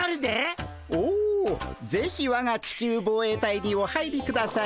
おぜひわが地球防衛隊にお入りください。